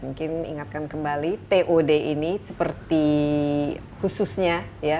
mungkin ingatkan kembali tod ini seperti khususnya ya